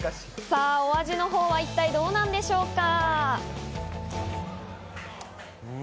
さぁ、お味のほうは一体どうなんでしょうか。